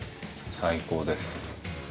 最高です。